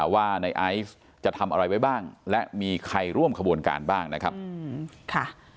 ว่าในไอซ์จะทำอะไรไว้บ้างและมีใครร่วมขบวนการบ้างนะครับ